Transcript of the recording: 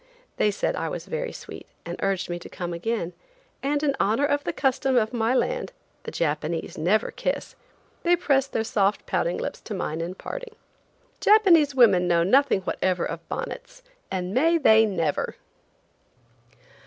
They said I was very sweet, and urged me to come again, and in honor of the custom of my land–the Japanese never kiss–they pressed their soft, pouting lips to mine in parting. Japanese women know nothing whatever of bonnets, and may they never!